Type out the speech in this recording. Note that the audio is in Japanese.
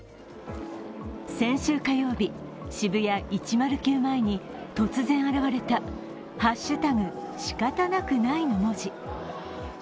先週火曜日、ＳＨＩＢＵＹＡ１０９前に突然現れた「＃しかたなくない」の文字。